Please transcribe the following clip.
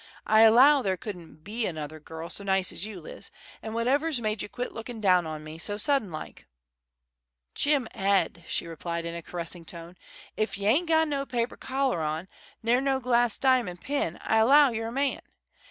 I allow there couldn't be another girl so nice as you, Liz. An' what ever's made ye quit lookin' down on me, so sudden like?" "Jim Ed," she replied, in a caressing tone, "ef y' ain't got no paper collar on, ner no glas' di'mon' pin, I allow ye're a man.